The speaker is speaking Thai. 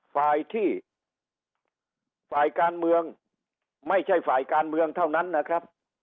ฝ่ายที่ฝ่ายการเมืองไม่ใช่ฝ่ายการเมืองเท่านั้นนะครับ